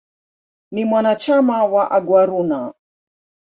Ni mwanachama wa "Aguaruna".